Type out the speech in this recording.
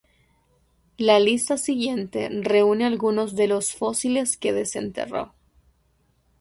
La lista siguiente reúne algunos de los fósiles que desenterró.